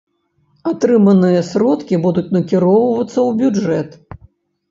Атрыманыя сродкі будуць накіроўвацца ў бюджэт.